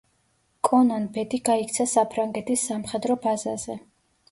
კონან ბედი გაიქცა საფრანგეთის სამხედრო ბაზაზე.